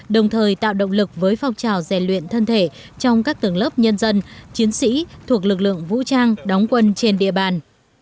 đồng thời tạo động lực với phong trào rèn luyện thân thể trong các tầng lớp nhân dân chiến sĩ thuộc lực lượng vũ trang đóng quân trên địa bàn